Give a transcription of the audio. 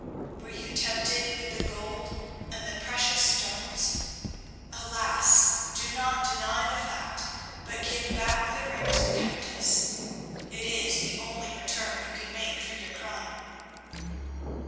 Were you tempted with the gold and the precious stones? Alas, do not deny the fact, but give back the ring to the Countess. It is the only return you can make for your crime."